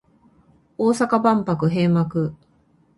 大阪万博閉幕